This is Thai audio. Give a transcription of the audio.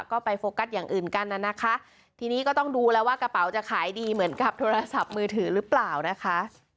ก็ไปโฟกัสอย่างอื่นกันน่ะนะคะทีนี้ก็ต้องดูแล้วว่ากระเป๋าจะขายดีเหมือนกับโทรศัพท์มือถือหรือเปล่านะคะ